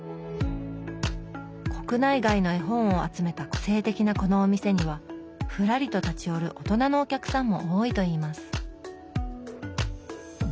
国内外の絵本を集めた個性的なこのお店にはふらりと立ち寄る大人のお客さんも多いといいます